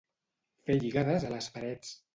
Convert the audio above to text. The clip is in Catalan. Fer lligades a les parets.